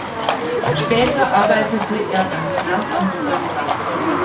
Später arbeitete er beim Finanzamt Köln-Land.